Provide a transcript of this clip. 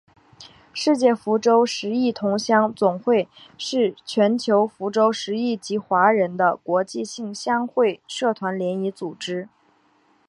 世界福州十邑同乡总会是全球福州十邑籍华人的国际性乡会社团联谊组织。